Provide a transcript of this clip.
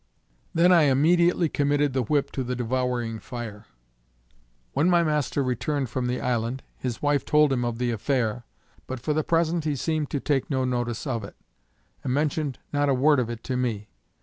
Then I immediately committed the whip to the devouring fire. When my master returned from the island, his wife told him of the affair, but for the present he seemed to take no notice of it, and mentioned not a word of it to me.